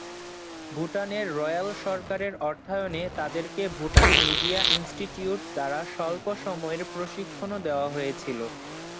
ভুটানের রয়্যাল সরকারের অর্থায়নে তাদেরকে ভুটান মিডিয়া ইনস্টিটিউট দ্বারা স্বল্প সময়ের প্রশিক্ষণও দেওয়া হয়েছিল।